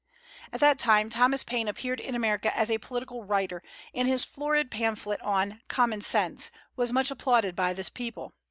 At that time Thomas Paine appeared in America as a political writer, and his florid pamphlet on "Common Sense" was much applauded by the people.